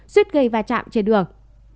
suýt gây va chạm trên đường